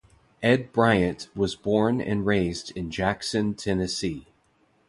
Ed Bryant was born and raised in Jackson, Tennessee.